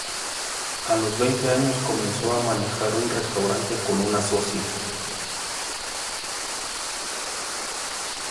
A los veinte años comenzó a manejar un restaurante con una socia.